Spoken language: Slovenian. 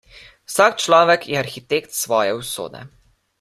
Vsak človek je arhitekt svoje usode.